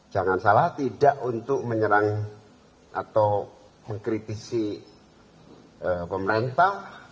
jangan salah tidak untuk menyerang atau mengkritisi pemerintah